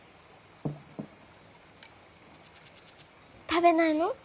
食べないの？